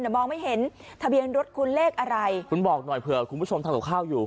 แต่มองไม่เห็นทะเบียนรถคุณเลขอะไรคุณบอกหน่อยเผื่อคุณผู้ชมทำกับข้าวอยู่